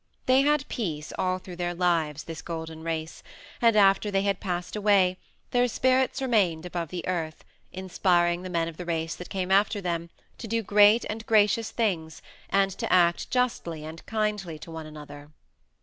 They had peace all through their lives, this Golden Race, and after they had passed away their spirits remained above the earth, inspiring the men of the race that came after them to do great and gracious things and to act justly and kindly to one another.